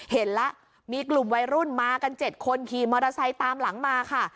เห็นแล้วมีกลุ่มวัยรุ่นมากัน๗คนขี่มอเตอร์ไซค์ตามหลังมาค่ะ